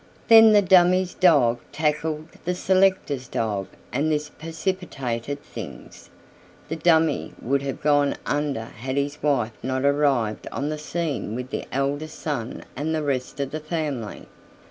Then the dummy's dog tackled the selector's dog and this precipitated things. The dummy would have gone under had his wife not arrived on the scene with the eldest son and the rest of the family.